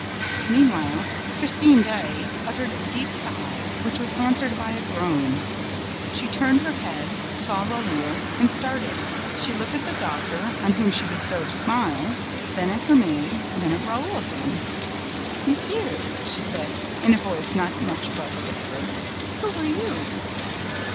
Meanwhile, Christine Daae uttered a deep sigh, which was answered by a groan. She turned her head, saw Raoul and started. She looked at the doctor, on whom she bestowed a smile, then at her maid, then at Raoul again. "Monsieur," she said, in a voice not much above a whisper, "who are you?"